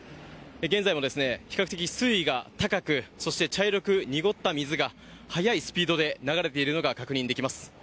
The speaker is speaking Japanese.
現在も比較的、水位が高く、そして茶色く濁った水が、速いスピードで流れているのが確認できます。